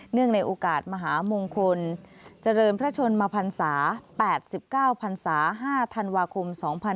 ในโอกาสมหามงคลเจริญพระชนมพันศา๘๙พันศา๕ธันวาคม๒๕๖๒